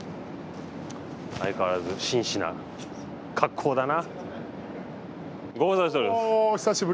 相変わらず紳士な格好だな。